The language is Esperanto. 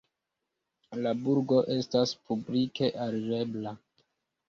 La burgo estas publike alirebla.